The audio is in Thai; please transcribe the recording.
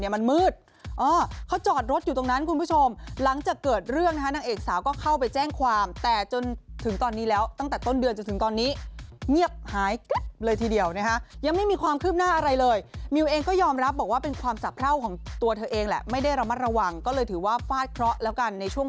มันมืดเขาจอดรถอยู่ตรงนั้นคุณผู้ชมหลังจากเกิดเรื่องนะคะนางเอกสาวก็เข้าไปแจ้งความแต่จนถึงตอนนี้แล้วตั้งแต่ต้นเดือนจนถึงตอนนี้เงียบหายเลยทีเดียวนะคะยังไม่มีความคืบหน้าอะไรเลยมิวเองก็ยอมรับบอกว่าเป็นความสะเพราของตัวเธอเองแหละไม่ได้ระมัดระวังก็เลยถือว่าฟาดเคราะห์แล้วกันในช่วง